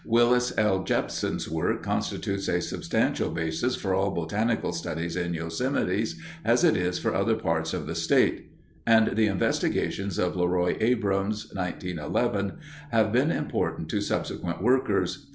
Willis L. Jepson's work constitutes a substantial basis for all botanical studies in Yosemite as it is for other parts of the State, and the investigations of LeRoy Abrams, 1911, have been important to subsequent workers.